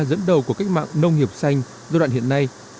dẫn đầu của cách mạng nông nghiệp xanh giai đoạn hiện nay